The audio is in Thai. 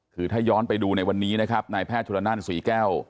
คือถ้าย้อนไปดูในวันนี้นะครับนายแพทย์ชุลนั่นศรีแก้ว